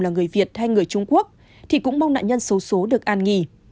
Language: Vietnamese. là người việt hay người trung quốc thì cũng mong nạn nhân xấu xố được an nghỉ